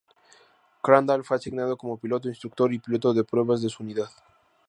Crandall fue asignado como piloto instructor y piloto de pruebas de su unidad.